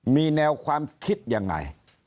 มีแนวความคิดยังไง